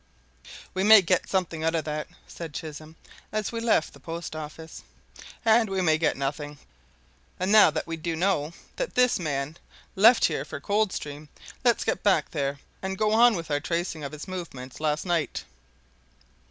"We may get something out of that," said Chisholm, as we left the post office, "and we may get nothing. And now that we do know that this man left here for Coldstream, let's get back there, and go on with our tracing of his movements last night."